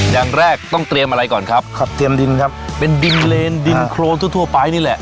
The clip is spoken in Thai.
อย่างแรกต้องเตรียมอะไรก่อนครับขับเตรียมดินครับเป็นดินเลนดินโครนทั่วทั่วไปนี่แหละ